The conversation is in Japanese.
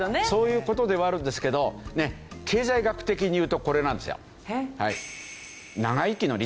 そういう事ではあるんですけど経済学的に言うとこれなんですよ。